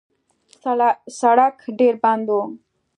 سړک ډېر بند و.